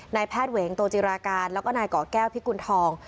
นายแพทย์เหวงโตจิราการแล้วก็นายก่อแก้วพิกุณฑอง